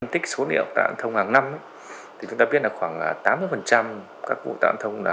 tích số liệu tai nạn thông hàng năm chúng ta biết là khoảng tám mươi các vụ tai nạn thông